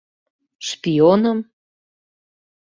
— Шпионым?!